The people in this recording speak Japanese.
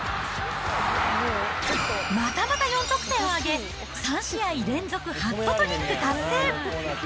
またまた４得点を挙げ、３試合連続ハットトリック達成。